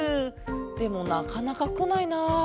でもなかなかこないな。